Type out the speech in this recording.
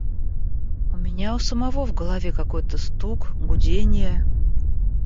У меня у самого в голове какой-то стук, гудение.